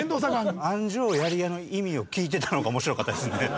「あんじょうやりや」の意味を聞いてたのが面白かったですね。